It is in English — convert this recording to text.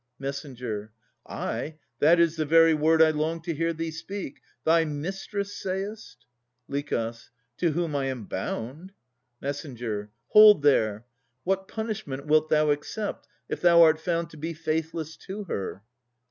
MESS. Ay, that is the very word I longed to hear thee speak. Thy mistress, sayest? LICH. To whom I am bound. MESS. Hold there! What punishment Wilt thou accept, if thou art found to be Faithless to her?